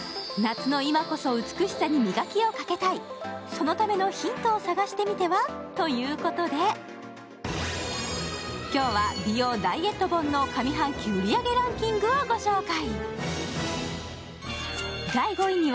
そのためのヒントを探してみては？ということで、今日は美容・ダイエット本の上半期売り上げランキングをご紹介。